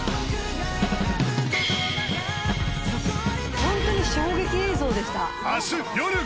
本当に衝撃映像でした。